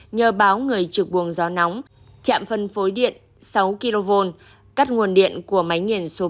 nhờ báo người trực buồng gió nóng chạm phân phối điện sáu kv cắt nguồn điện của máy nghiền số một